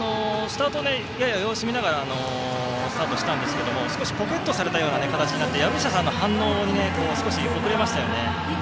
やや様子を見ながらスタートしたんですけど少しポケットされた形になって籔下さんの反応に遅れましたよね。